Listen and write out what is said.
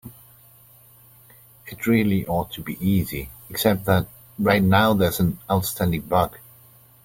It really ought to be easy, except that right now there's an outstanding bug.